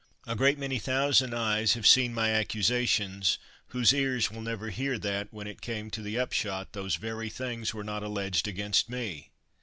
A great many thousand eyes have seen my accusations whose ears will never hear that when it came to the upshot those very things were not alleged against me